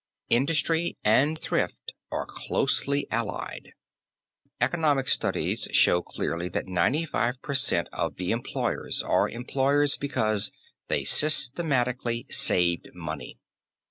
Industry and thrift are closely allied. Economic studies show clearly that ninety five per cent. of the employers are employers because they systematically saved money.